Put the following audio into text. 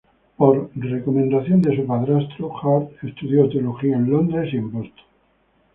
Por recomendación de su padrastro, Hurt estudió teología en Londres y en Boston.